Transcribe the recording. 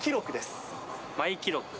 マイ記録？